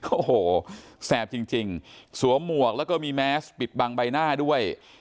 โอ้โหแสบจริงสวมหมวกแล้วก็มีแมสปิดบังใบหน้าด้วย